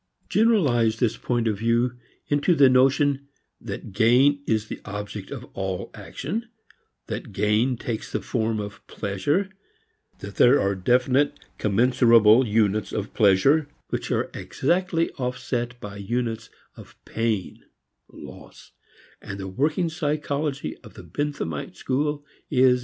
Generalize this point of view into the notion that gain is the object of all action; that gain takes the form of pleasure; that there are definite, commensurable units of pleasure, which are exactly offset by units of pain (loss), and the working psychology of the Benthamite school is at hand.